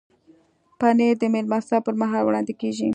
پنېر د میلمستیا پر مهال وړاندې کېږي.